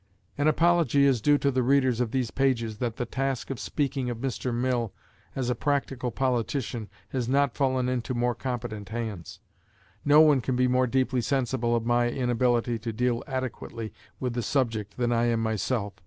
An apology is due to the readers of these pages that the task of speaking of Mr. Mill as a practical politician has not fallen into more competent hands. No one can be more deeply sensible of my inability to deal adequately with the subject than I am myself.